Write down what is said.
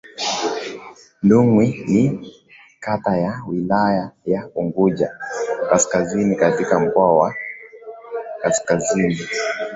Nungwi ni kata ya Wilaya ya Unguja Kaskazini katika Mkoa wa Kaskazini